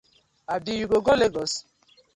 Abi you go go Legos?